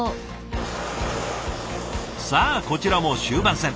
さあこちらも終盤戦。